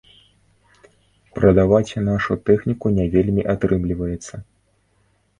Прадаваць нашу тэхніку не вельмі атрымліваецца.